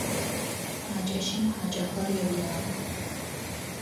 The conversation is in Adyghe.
Хьакӏэщым хьакӏэхэр еблагъэх.